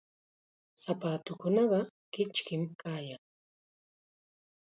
Sapatuukunaqa kichkim kayan.